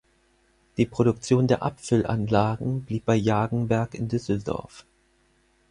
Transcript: Die Produktion der Abfüllanlagen blieb bei Jagenberg in Düsseldorf.